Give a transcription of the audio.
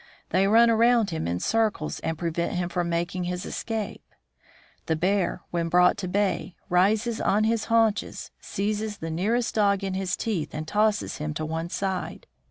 They run around him in circles and prevent him from making his escape. The bear, when brought to bay, rises on his haunches, seizes the nearest dog in his teeth and tosses him to one side.